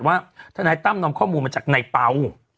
ว่าท่านายตั้งนำข้อมูลมาจากนายเปา